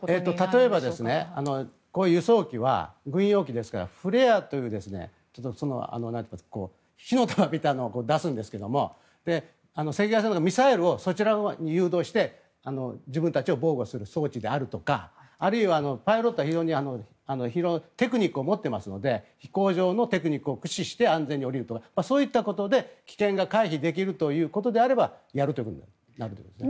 例えば、輸送機は軍用機ですからフレアという火の玉みたいのを出すんですが赤外線とかミサイルをそちらに誘導して、自分たちを防護する装置であるとかあるいはパイロットは、非常にテクニックを持っていますので飛行場のテクニックを駆使して安全に降りるとかそういったことで危険が回避できるということであればやるということになるということですね。